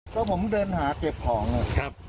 ก็ผมเดินหาเก็บของนะ